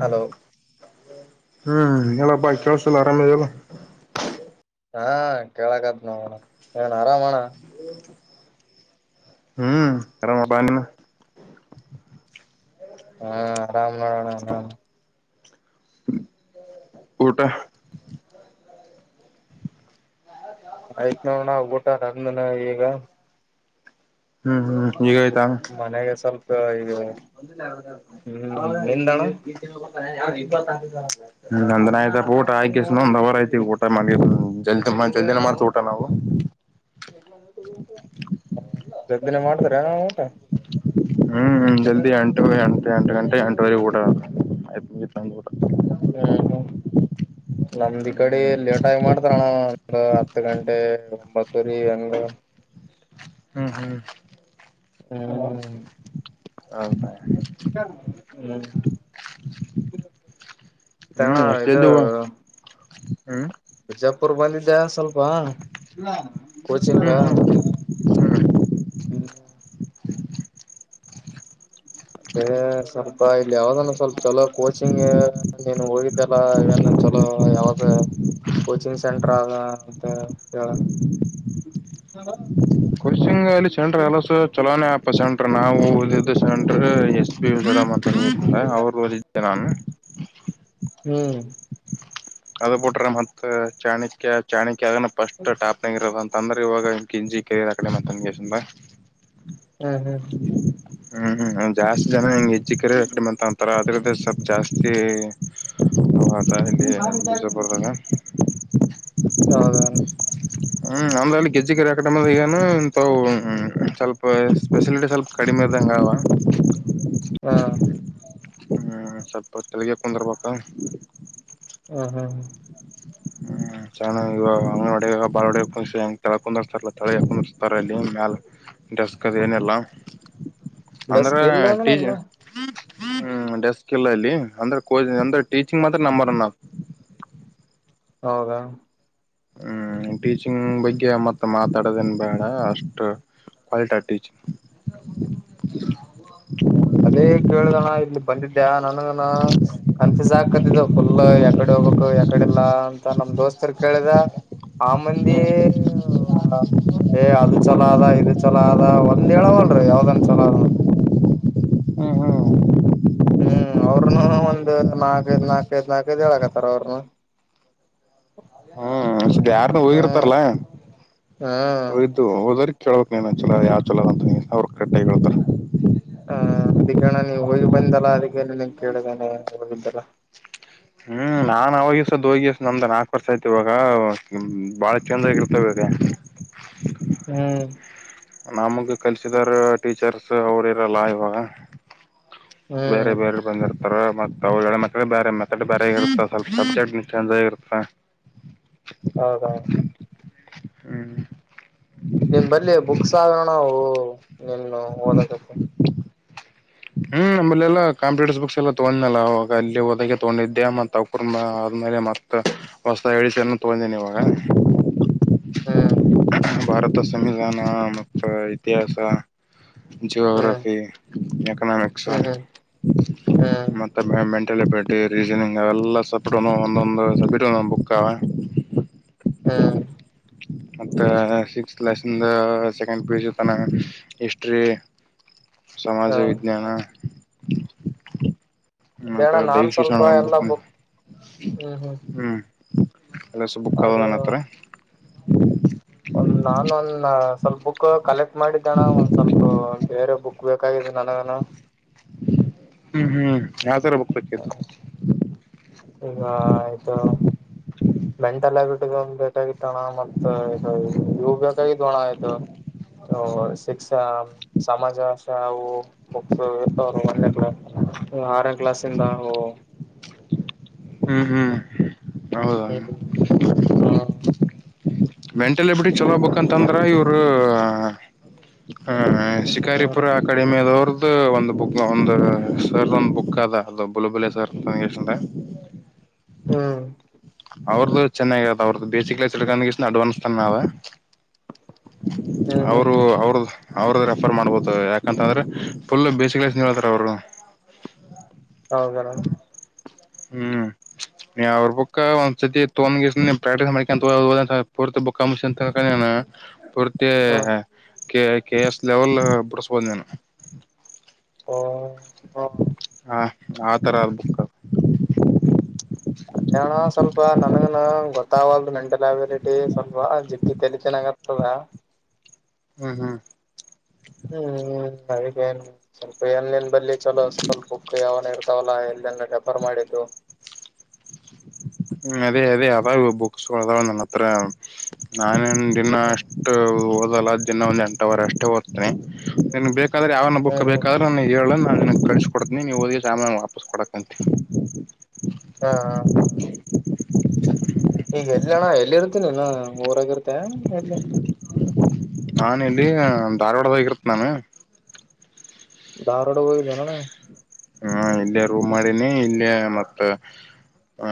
hello ಹ್ಮ್ ಎಲ್ಲಪ್ಪಾ ಕೆಲ್ಸಿಲ್ಲ ಆರಾಮದಲ್ಲ ಹಾ ಕೇಳಕತ್ ನಣ ಏನ್ ಆರಾಮಣ್ಣ ಹ್ಮ್ ಆರಾಮಬ ನಿಮ್ಮ ಹಾ ಆರಾಮ್ ನೋಡೋಣ ಹಾ ಊಟ ಆಯ್ತ್ ನೋ ನ್ಬಊಟ ಈಗ ಹ್ಮ್ ಹ್ಮ್ ನಿಗಯತಾ ಮನೆಗೆ ಸ್ವಲ್ಪ ಈಗ ಹ್ಮ್ ಒಂದಾಗ ನಿಂದಣ ನಂದನಾಯದ ಊಟ ಆಯಕ ದ ಅವರ ಆಐ್ತ ಊಟ ಮನ ಜಲ್ದಿ ಜಲ್ದಿಯಿನ ಮಾಡ್ತ ಊಟ ನಾವು ಹ ಸದ್ದಿನೇ ಮಾಡ್ತಾರೆ ನ ಊಟ ಹ [inaudible] ಹ್ಮ್ ಜಲ್ದಿ ಎಂಟು ಎಂಟು ಗಂಟೆ ಎಂಟವರೆ ಕೂಡ ಹ್ಮ್ ಹ್ಮ್ ನಂದ ಕಡೆ ಲೇಟಾಗಿ ಮಾಡ್ತಾರಣ ಒ ಹತ್ತು ಗಂಟೆ ಒಂಬತ್ತೂರಿ ಹಂಗ ಹ್ಮ್ ಹ್ಮ್ ಹ್ಮ ಹ ಹೌದಾ ಹ್ಮ್ ತಣ ಹ್ಮ್ ಇದು ಎಷ್ಟೇದ ಹ್ಮ್ ಬಿಜಾಪುರ್ ಬಂದಿದ್ದೆ ಸ್ವಲ್ಪ ಹ್ಮ್ ಹ್ಮ್ ಹ್ಮ್ ಸ್ವಲ್ಪ ಇಲ್ಲಿ ಯಾವ್ದನ್ನು ಸ್ವಲ್ಪ ಚಲೋ ಕೋಚಿಂಗ್ ನೀನು ಹೋಗಿದ್ದಲ್ಲ ಇವನು ಚಲೋ ಯಾವ್ದ ಕೋಚಿಂಗ್ ಸೆಂಟರ್ ಆ ಅಂತ ಹೇಳ ಫಶಿಂಗ್ಲ್ಲಿ ಸಂಟರ್ ಎಲ್ಲ ಚಲಾವೆ ಆಪ್ ಸೆಂ್ರರ್ ನಾವುದದು ಡಂತ ನೀರ ಅವ್ರು ಓದಿದ್ದೆ ನಾನು ಹ್ಮ್ ಅದ ಬಿಟ್ರೆ ಮತ್ ಚಾಣಕ್ಯ ಚಾಣ ಯಗಫಸ್ಟ್ಟಪ್ನಂಗ ಇರದ ಅಂದ್ರೆ ಇವಾಗ ಕಂಜಿ ಕೆರ ಕಡೆ ಮತನ್ಗೆಸ ಬ ಹ್ಮ್ ಹ್ಮ್ ಹ ಹ್ಮ್ ಹ್ಮ್್ ಜಾಸ್ತಿ ಜನ ಹೆಂಗ ಚಕ್ಕರೆ ಎ ಕಕಡೆಮ ಅಂತ ಅಂತರ ಆದ್ರೆ ಸಬ್ ಜಾಸ್ತಿ ಹ ಹತ ಹೇಳಲ್ಲಿ ಪೂಜಾಪೋನ ಹೌದ ಹ್ಮ್ ಅಂದ್ರಲ್ಲಿ ಕೆಜ್ಜಿಿಗೆ ರಾಕಟ ಮದ ಾನ ಇಂತ ಸ್ವಲ್ಪ ಸ್ಪೆಷಿಲಿಟಿ ಸ್ವಲ್ಪ ಕಡಿಮೆ ಇ್ದಂಗೆಲ್ವ ಹಾ ಹ್ಮ್ ಸಪ ಚಲ್ಲಿಗೆ ಪಂದ್ರ ಬಪ ಹಾ ಹಾ ಹ ಚೆನ್ನಾಗಿ ಇವಾಗ ಅಂಗ್ನವಾಡಗೆ ಭಾಳ ಒಡ ಕ ಹೆ ತಳ ಕುಂದರ್ತಾರಲ್ಲ ತಳ ಕುಂದ್ತಾರೆ ಇಲ್ಲಿ ಮ್ಯಾಲ ಡ್ರೆಸ್ಕ್ ಅದು ಏನೆಲ್ಲ ಅಂದ್ರ ಡೆಸ್ಕ್ ಇಲ್ಲ ಟಿ ಅಂದ್ರನು ಹ್ಮ ಡೆಸ್ಕ್ ಸಿಿಲ್ಲ ಇಲ್ಲಿ ಅಂದ್ರೆ ಕೋಚಂಗ್ ಅಂದ್ರೆ ಟೀಚಿಂಗ್ ಮಾತ್ರ ನಂಬರ್ ನ ಹೌದಾ ಹ್ಮ್ ಟೀಚಿಂಗ್ ಬಗ್ಗೆ ಮತ್ತೆ ಮಾತಾಡೋದೇನ್ ಬೇಡ ಅಷ್ಟು ಕ್ವಾಲಟಿ ಆ ಟೀಚಿಂಗ್ ಹ್ಮ ಅದೇ ಕೇಳ್ದಣ ಇಲ್ಲಿ ಬಂದಿದ್ದ್ಯಾ ನನಗ ಕನ್ಫ್ಯೂಸ್ ಆಕತಿದ್ದ ಫುಲ್ ಯಕಡೆ ಹೋಗ್ಬೇಕು ಯಾಕಡೆ ಇಲ್ಲಾ ಮ ನಮ್ ದೋಸ್ತರು ಕೇಳಿದ ಆ ಮಂದಿ ಏ ಅದು ಚಲೋ ಅದ ಇದು ಚಲೋ ಅದ ಒಂದ್ ಹೇಳವಲ್ರಿ ಯಾವ್ದನ್ ಚಾಲೂ ಅದ ಹ್ಮ್ ಹ್ಮ್ ಅವ್ರನು ಒಂದು ನಾಕೈಐದ್ ನಾಕ್ ಐದ್ ನಾಲ್ಕೈದ್ ಹೇಳಕತ್ತಾರ ಅವ್ರನು [unintelligible] ಯಾರನ್ನ ಹ್ಮ್ ಹೋಗಿರ್ತಾರಲ್ಲ ಹ್ಮ್ ಹೋಯಿತು ಹೋದರಿ ಕೇಳ್ಬೇಕು ನೀನು ಚಲೋ ಯಾವ ಚಲೋ ಬಂತ ಅವ್ರರು ಕಟ್ಟಾಗಿ ಹೇಳ್ತಾರೆ ಹ ಅದಕ್ಕೆಣ ನೀ ಹೋಗಿ ಬಂದಲ್ಲಾ ಅದಕ್ಕೆನ್ ಕೇಳಿದೇನೆ ಹೋಗಿದ್ದಲ್ಲ ಹ್ಮ್ ನಾನ್ ಅವಾಗಸದ ಹೋಗಿ ನಮ್ದ ನಾಲ್ಕು ವರ್ಷ ಆಯ್ತಿ ಇವಾಗ ಬಾಳ ಚಂದಗಿರ್ತವೆ ಹ್ಮ್ ನಮಗೆ ಕಲ್ಸಿದಾರ ಟೀಚರ್ಸ್ ಅವರು ಇರಲ್ಲ ಇವಾಗ ಹ್ಮ್ ಬೇರೆ ಬೇರೆ ಬಂದಿರ್ತಾರ ಮತ್ತೆ ತವುಗಳ ಮಕ್ಕಳ ಬೇರೆ ಮ ಕಟ್ ಬ್ಯಾರೆ ಇರುತ ಸ್ವಲ್ಪ ಸಬ್ಜೆಕ್ಟ್ ಚೇನ್ಜ್ ಆಗಿರುತ್ತ ಹೌದಾ ಹ್ಮ್ ನಿನ್ ಬಲ್ಲಿ ಬುಕ್ಸ್ ಆಗಣವು [inaudible] ನಿನ್ನು ಓದಕತ್ತ ಹ್ಮ್ ನಂಬಲಿಯಲ್ಲಾ ಕಾಂಪ್ಯೂಟರ್ಸ್ ಬುಕ್ಸ್ ಎಲ್ಲಾ ತೊಗೊಂಡನಲ್ಲ ಅವಾಗ ಅಲ್ಲಿ ಹದಕ್ಕೆ ತಗೊಂಡಿದ್ದೆ ಮತ್ತ ಅಕುರ್ ಆದ್ಮೇಲೆ ಮತ್ತ ಹೊಸ್ತಾಗಿ ಅಡ್ಡಿಷನ್ ತೊಗೊಂಡಿನಿ ಇವಾಗ ಹ್ಮ್ ಭಾರತ್ ಮತ್ ಸಂವಿಧಾನ ಮತ್ ಇತಿಹಾಸ ಹ್ಮ್ ಜಾಗ್ರಫಿ ಕ್ಷ ಹ್ಮ್ ಹ್ಮ್ ಹ್ಮ್ ಮತ್ತ [unintelligible] ಮೆಂಟಲ್ ಅಭಿಲಿಟಿ ರೀಸನಿಂಗ್ ಅವೆಲ್ಲ ಸತ್ರುನು ಒಂದೊಂದು ಸಬ್ಜೆಕ್ಟ್ ಒಂದೊಂದು ಬುಕ್ ಅವ ಹ್ಮ ಮತ್ತೆ six lesson second P U ಸಿತನ ಹಿಸ್ಟ್ರಿ ಹ್ಮ್ ಸಮಾಜವಿಜ್ಞಾನ [inaudible] ಅದೇಣ ಮತ್ತ ನಾನ್ ದೈಹಿಕ ಶಿಕ್ಷಣ ಸ್ವಲ್ಪ ಒಂದ್ ಎಲ್ಲಾ ಬುಕ್ ಒಂದು ಹ್ಮ್ ಅಲ್ಲಿ ಸು ಬುಕ್ಗಳ್ ಅದು ನನ್ ಹತ್ರ [inaudible] ಒಂದ್ ನಾನ ಒಂದ ಸ್ವಲ್ಪ ಬುಕ್ ಕಲೆಕ್ಟ್ ಮಾಡಿದ್ದಣ ಒಂದ್ ಸ್ವಲ್ಪ ಬೇರೆ ಬುಕ್ ಬೇಕಿದ್ದ ನನಗನು ಹ್ಮ್ ಹ್ಮ್ ಯಾವ್ತರ ಬುಕ್ ಬೇಕಿತ್ತು ಈಗ ಆಯ್ತ ಮೆಂಟಲ್ ಅಭಿಲಿಟಿದು ಒಂದ್ ಬೇಕಾಗಿತ್ತು ಕಣ ಮತ್ತೆ ಇವು ಬೇಕಗಿತು ಅಣ್ಣ ಇದು ಸಿಕ್ಸ್ಸ ಸಮಾಜ [unintelligible] ಹೊ ಬುಕ್ಸ್ ಇರ್ತರು ಒಂದೇ ಕ್ಲಾ ಆರನ ಕ್ಲಾಸ್ಂದ ಒ ಹ್ಮ್ ಹ್ಮ್ ಹೌದಾ ಹ್ಮ ಹಾ ಮೆಂಟಲಿಬಿಟಿ ಚಲೋ್ಬೇಕಂತಂದ್ರ ಇವರು ಶಿಕಾರಿಪುರ ಯಾರು ಅಕಾಡೆಮಿಯಾದವ್ರ ಒ ಒಂದು ಬುಕ್ ಒಂದು ಸರ್ದ ಒಂದ್ ಬುಕ್ ಅದ ಅದು ಬುಲಬಲೆ ಸರ್ ಅಂತಷ್ಟ ಹ್ಮ್ ಅವ್ರದ್ದು ಚೆನ್ನಾಗಿದ ಅವ್ರದ್ದ ಬಸಿಕ್ಸ್ಡ್ಕ ಅಡ್ವಾನ್ಸ್ ತಾವ ಹ್ಮ್ ಹ್ಮ್ ಅವರು ಅವ್ರ ಅವ್ರದ ರೆಫರ್ ಮಾಡ್ಬೋದು ಯಾಕಂತ ಅಂದ್ರೆ ಫುಲ್ ಬೇಸ ಕಲಸ್ತಾರ ಅವರು ಹೌದಣಾ ಹ್ಮ್ ನೀ ಅವ್ರ ಬುಕ್ಕ ಒಂದ್ಸತಿ ತೋ ಪ್ರಾಕ್ಟೀಸ್ ಮಾಡ್ ಪೂರ್ತಿ ಬುಕ್ಕ ಮು ಹ ಹ್ಮ್ ಕೆ ಕೆ ಎಸ್ ಲೆವೆಲ್ ಬಿಡಸ್ಬೋದು ನೀನು ಹ ಹ ಹಾ ಆತರ ಅರ್ಬೇಕ [inaudible] ಅದಣ ಸ್ವಲ್ಪ ನನ್ಗನ [inaudible] ಗೊತ್ತಾಗಲ್ದು ಮೆಂಟಲ್ ಅಬಿಲಿಟಿ ಸ್ವಲ್ಪ ಜಿಗ್ಗ ತಲಿ ಚೆನ್ನಾಗತದ ಹ್ಮ್ ಹ್ಮ್ ಹ ಸಲ್ಪರಿ ಲ್ಲಿ ಚಲೋ ಸ್ವಲ್ಪ ಬುಕ್ ಯಾವನ ಇರ್ತಾವಲ್ಲಾ ಎಲ್ಲೆಲ್ಲ ರೆಫರ್ ಮಾಡಿದ್ದು ಹ್ಮ್ ಅದೇ ಅದೇ ಅ ಬುಕ್ಸ್ದ ನನ್ನ ಹತ್ರ ನಾನೇನ್ ದಿನ ಅಷ್ಟು ದ ಒಂದ್ ಎಂಟವರ ಅಷ್ಟೇ ಓದ್ತೇನೆ ಬೇಕ ್ರೆ ಅವ್ರನ್ನ ಬು ಹ್ಮ್ ಹ್ಮ್ ಬೇಕಾದ್ರ ಹೇಳ ಕಳಿಸ್ ಕೊಡ್ತೀನಿ ನೀವು ಹದಿ ಸಾಮಾನ ವಾಪಸ್ ಕೊಡಕ್ಂತಿ ಹಾ ಹಾ ಈಗ ಎಲ್ಲಿ ಅಣ್ಣ ಎಲ್ಲಿ ಇರ್ತೀನ ನೀನು ಊರಗರ್ತ ಹ ಎಲ್ಲ ನಾನ ಇಲ್ಲಿ ಧಾರವಾಡದ ಹೋಗಿರುತ್ತೆ ನಾನು ಧಾರವಾಡ ಹೋಗಿದೆನ ನ ಹ್ಮ ಇಲ್ಲೇ ರೂಮ್ ಮಾಡಿನಿ ಇಲ್ಲೇ ಮತ್ತ ಹ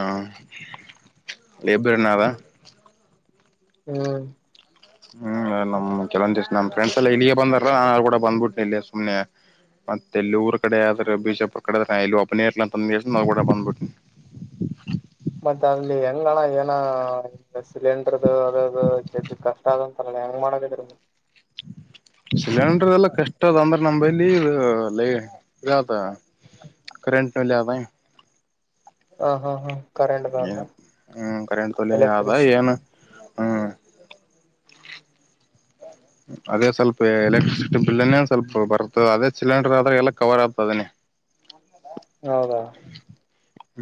ಲೇಬರ್ನದ ಹ್ಮ್ ಹ್ಮ್ ನಮ್ ಕೆಲವೊ ನಮ ಫ್ರೆಂಡ್ಸ್ ಎಲ್ಲಾ ಇಲ್ಲಿಗೆೇ ಬಂದಾರ ನಾನ ಕೂಡ ಬಂದ್ಬಿಟ್ನಿ ಇ ಸುಮ್ನೆ ಮತ್ತೆ ಎಲ್ಲಿ ಊರ್ ಕಡೆ ಆದ್ರ ಬಿಜಾಪುರ್ ಕಡೆ ಆದ್ರೆ ಎಲ್ಲ ಅಬ್ನಯ ಇರ್ಲ ಅಂತಂದ ಕೂಡ ಬಂದ್ಬಿಟ್ನಿ ಮತ್ತ ಅಲ್ಲಿ ಹೆಂಗ ಅಣ ಏನ ಸಿಲಿಂಡರ್ದು ಅದದು ಜಡ್ ಕಷ್ಟ ಆದಂತಾರಲ್ಲ ಹೆಂಗ್ ಮಾಡಕಡ್ರ ಮ ಸಿಲಿಂಡರ್ ಎಲ್ಲ ಕಷ್ಟ ಅದ ಅಂದ್ರೆ ನಮಲ್ಲಿತ ಕರೆಂಟ್ನಲ್ಲಿ ಆದ ಹ ಹಾ ಹಾ ಕರೆಂಟ್ದಾಗ ಹ್ಮ್ ಕರಾಣ ತಲ್ಲ ಅದ ಎಲೆಕ್ಟ್ರಿಕ್ ಾನ ಹ್ಮ್ ಅದೇ ಸ್ವಲ್ಪ ಎಲೆಕ್ಟ್ರಿಸಿಟಿ ಬಿಲ್ನ್ನೇ ಸ್ವಲ್ಪ ಬರ್ತ ಅದೇ ಸಿಲಿಂಡರ್ ಆದ್ರೆ ಎಲ್ಲ ಕವರ್ ಆಗ್ತದನೇ ಹೌದಾ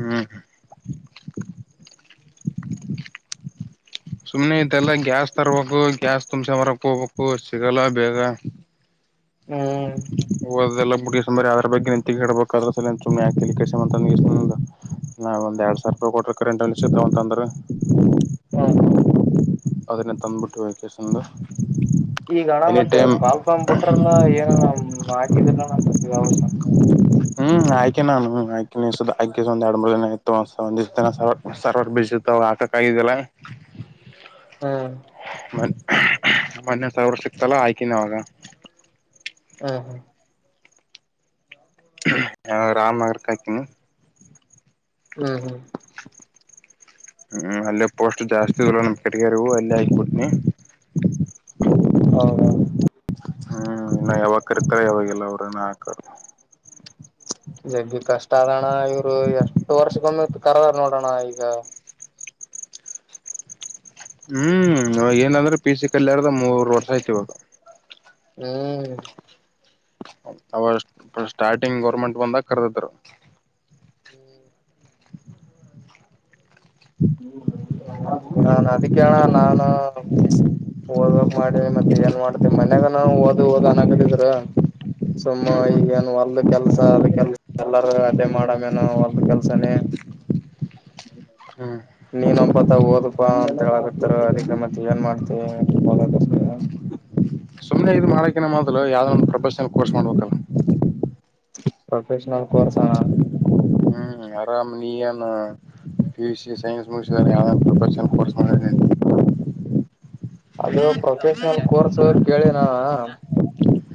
ಹ್ಮ್ ಸುಮ್ನೆ ಇತೆಲ್ಲ ಗ್ಯಾಸ್ ತರ್ಬೇಕು ಗ್ಯಾಸ್ ತುಂಬ್ಸ ಮರಕ್ ಹೋಗ್ಬೇಕು ಸಿಗಲ್ಲ ಬೇಗ ಹ್ಮ್ ಇದೆಲ್ಲ ಬಿಡಿಸಂಬರಿ ಅದ್ರ ಬಗ್ಗೆ ನಿಂತಿಡಬೇಕು ಅ್ರ ಸಲುಮ್ಮನೆಾಕ ಕಂತ ಒಂದ ಎರಡ್ ಸಾವರ ರೂಪಾಯಿ ಕೊಟ್ಟ್ರೆ ಕರೆಂಟ್ ಅಿಸ ಅಂತಂದ್ರೆ ಹ್ಮ ಹಾ ಅದೇ ತಂದ್ಬಿಟ್ಟು ವಕೇೇಶನ್ ಈಗಣ ಮತ್ತೆ ಕಾಲ್ಕಂಬ್ ಬಿಟ್ರಲ್ಲ ನ್ ಹಾಕಿದ್ರ ನ್ ಮತ್ತ ಯಾವ ಹ್ಮ್ ಆಯ್ಕೆ ನಾನು ಆಾಕಿನಿ ಹಾಕ ಒಂದ ಎರಡು್ಮಳನ ಇತ್ತುವ ಸರ್ವರ್ ಬಿಸತ್ತು ಅವ ಹಾಕಕ್ ಆಗಿದಲ್ಲ ಹ್ಮ [inaudible] ಮೊನ್ನ ಸಾವಿರ ಸಿಗ್ತಲ್ಲ ಆಯ್ಕಿನ ಅವಾಗ ಹ್ಮ ಹಾ [inaudible] ರಾಮನಗರಕ್ಕೆ ಹಕೀನಿ ಹ್ಮ್ ಹ್ಮ್ ಹ್ಮ್ ಅಲ್ಲೇ ಪೋಸ್ಟ್ ಜಾಸ್ತಿ ನಮ್ಮ ಕಟಗಾರಿವು ಅಲ್ಲೇ ಹಾಕ್ಬಿಟ್ನಿ ಹ ಹ್ಮ್ ಇನ್ನು ಯಾವಾಗ ಕರಿತಾರೆ ಯಾವಾಗೆಲ್ಲ ಅವ್ರನ್ನ ಹಾಕರ್ ಜಗ್ಗಿ ಕಷ್ಟ ಆದಣ ಇವ್ರು ಎಷ್ಟು ವರ್ಷಕ್ಕೊಮ್ಮ ಕರದಾರ ನೋಡ್ ಪ್ರಣಾಯಕ ಹ್ಮ್ ಏನಂದ್ರೆ ಪಿಸಿ ಕಲ್ಯಾರದ ಮೂರು ವರ್ಷ ಆಯತಿವದು ಹ್ಮ್ ಅವ ಸ್ಟಾರ್ಟಿಂಗ್ ಗೋರ್ಮೆಂಟ್ ಬಂದ ಕರ್ದಿದರು ಹ್ಮ್ ನನ್ ಅದಕ್ಕೆಣ ನಾನು ಓದ್ಬೇಕಕ್ ಮಾಡಿ ಮತ್ತೆ ಏನ್ ಮಾಡ್ತೇ ಮನ್ಯಾಗ ನ ಓದ ಓದ್ ಅನಕತಿದರು ಸುಮ್ಮ ಈಗೇಏನ್ ಒಲ್ದ ಕೆಲ್ಸ ಅದ ಕೆಲ್ಸ ಎಲ್ಲಾರೂ ಅದೇ ಮಾಡಮ್ಮೇನ ಒಲ್ದ ಕೆಲ್ಸನೇ ಹ್ಮ್ ನೀನ್ೊಬ್ಬತ ಓದಪಾ ಅಂತ ಹೇಳಕತ್ತ ಅದಕ್ಕೆ ಮತ್ತೆ ಏನ್ ಮಾಡ್ತಿ ಹಕ ಸುಮ್ಮ್ನೆ ಇದು ಮಾಡಕನ ಮಾತ್ರ ಯಾವ್ದೊಂದು ಪ್ರಬಶನಲ್ ಕೋರ್ಸ್ ಮಾಡ್ಬೇಕಲ್ಲ ಪ್ರೊಫೆಷನಲ್ ಕರ್ಸಣ ಹ್ಮ ಆರಾಮ್ ನೀಯನ್ ಪಿ ಯು ಸಿ ಸೈನ್ಸ್ ಮುಗ [inaudible] ಅದ ನ ಕೋರ್ಸ್ ಕೇಳಿಿನ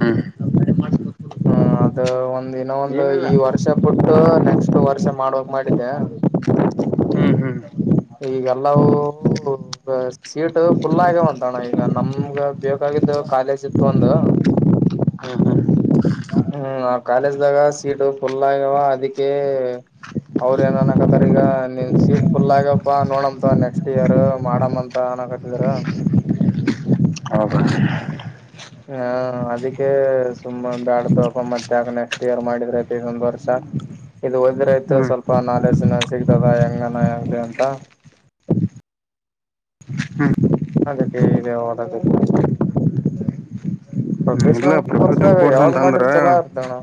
ಹ್ಮ್ ಹ್ಮ ಅದು ಒ ಇನ್ನ ಒಂದು ಏನಿಲ್ಲ ಈ ವರ್ಷ ಬಿಟ್ಟು ನೆಕ್ಸ್ಟ್ ಎ ವರ್ಷ ಮಾಡುವಕ್ ಮಾಡಿದ್ದೆ ಹ್ಮ್ ಹ್ಮ್ ಈಗಲ್ಲವುೂ ಸೀಟ್ ಫುಲ್ ಆಗ್ಯವಂತಣ ಈಗ ನಮ್ಗ ಬೇಕಾಗಿದ್ದ ಕಾಲೇಜ್ ಇತ್ತು ಒಂದು ಹ್ಮ್ ಹ್ಮ್ ಹ್ಮ್ ಆ ಕಾಲೇಜ್ದಾಗ ಸೀಟ್ ಫುಲ್ ಆಗ್ಯವ ಅದಿಕ ಅವ್ರ ಏನ ಅನ್ಕತ್ತಾರ ಈಗ ನಿಮ ಸೀಟ್ ಫುಲ್ ಆಗಪ್ಪ ನೋಡಮತ್ವ ನೆಕ್ಸ್ಟ್ ಇಯರ್ ಮಾಡಮಂತ ಅನಕತ್ತಿದ್ರ ಹೌದಾ ಹಾ ಅದಕ್ಕೆ ಸುಮ್ಮ ಬ್ಯಾಡ್ತ ಮತ್ತೆ ಆ ನೆಕ್ಸ್ಟ್ ಇಯರ್ ಮಾಡಿದ್ರಐತ ಇೊಂದ್ ವರ್ಷ ಇದು ಹೋದ್ರೈತ ಹ್ಮ್ ಸ್ವಲ್ಪ ನಾಲೆಜ್ನ ಸಿಗ್ತದ ಹೆಂಗನ ಯಗ್ಲಿ ಅಂತ ಹ್ಮ್ ಅದಕ್ಕೆ ಇದೆ ಹದ ಇಲ್ಲ ಪ್ರಪೋಜನ್ ಕೋರ್ಸ್ದಾಗ ಕೋರ್ಸ್ ಅಂತ ಯಾವ್ದ್ ಮಾಡಿದ್ರ ಅಂದ್ರೆ ಚಲೋ ಇರ್ತದಣ್ಣ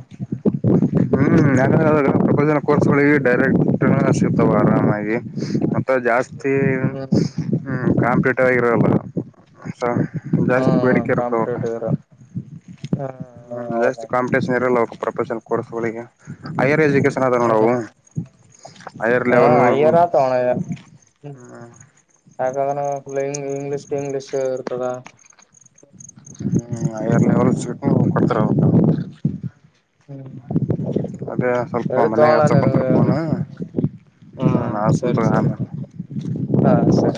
ಹ್ಮ್ ಹ್ಮ ಪ್ರಪೋನ ಕೋರ್ಸ್ಗಳಿಗೆ ಡೈರೆಕ್ಟ್ ಸಿಗ್ತಾವ ಆರಾಮಾಗಿ ಮ ಜಾಸ್ತಿ ಹ್ಮ್ ಹ್ಮ ಹ ಕಾಂಪ್ಲೀಟ ಆಾಗಿರೋಲ್ಲ ಹಾ ಜಾಸ್ತಿ ಅಣ್ಣ ಬೇಡಿಕೆ ಇರದುು ಕಾಂಪಿಟೇಟಿವ್ ಇರ ಹ ಹ್ಮ್ ಹೌದ ಜಾಸ್ತಿ ಕಾಪಟೇಷನ್ ಇರಲ್ಲ ಜ ಕೋಡಸುಗಳಿಗೆ ಹೈಯರ್ ಎಜುಕೇಟ್ ಹ್ಮ ಹೈಯರ್ ಹ್ಮ ಲೆವೆಲ್ ಅಯ್ಯರ ತಗಣ್ಮ ಯಾಕಂದ್ರೆಫು ಇಂಗ್ಲಷ್ ಟು ಇಂಗ್ಲೀಷ್ ಇರ್ತದಾ ಹ್ಮ್ ಎರನೇ ಕೊಡ್ತಾರೆ ಹ್ಮ್ ಅದೇ ಸ್ವಲ್ಪ ಸರಿ ಮನೆಾಗ ಹ ತಗೋಣ ತಕ್ಕೊತಾರೆ ನಿನಗೆ ಫೋನು ನಾನು ಹ್ಮ್ ಆಸನ್ ಸರಿ ಸರಿ ತ ಹಾ ಸರಿ